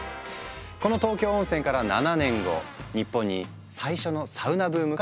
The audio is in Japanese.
この東京温泉から７年後日本に最初のサウナブームがやってくる。